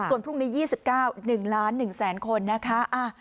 ส่วนพรุ่งนี้๒๙๑ล้าน๑แสนคนนะคะ